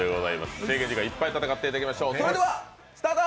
制限時間いっぱい戦っていただきましょう。